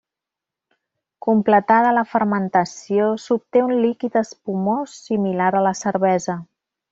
Completada la fermentació s'obté un líquid espumós similar a la cervesa.